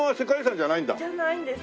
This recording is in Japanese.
じゃないんです。